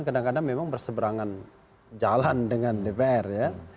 kadang kadang memang berseberangan jalan dengan dpr ya